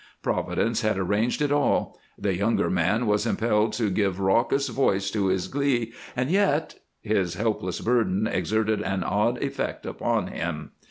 Providence had arranged it all. The younger man was impelled to give raucous voice to his glee, and yet his helpless burden exerted an odd effect upon him.